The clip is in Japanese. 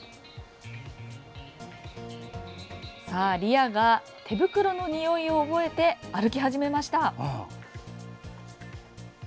リアが手袋のにおいを覚えて歩き始めました。